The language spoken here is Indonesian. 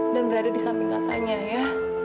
dan berada di samping katanya ya